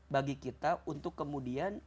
bagi kita untuk kemudian